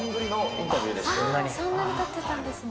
そんなにたってたんですね。